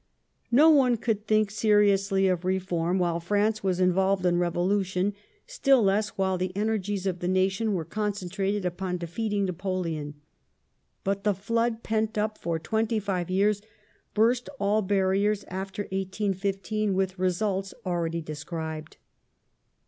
No one could think seriously of reform 1833] THE REFORM BILL 95 while France was involved in Revolution, still less while the j energies of the nation were concentrated upon defeating Napoleon. I But the flood pent up for twenty five years burst all ban iers after \ 1815 with results already described.